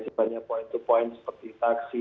sepertinya point to point seperti taksi